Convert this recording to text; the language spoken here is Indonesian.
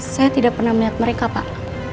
saya tidak pernah melihat mereka pak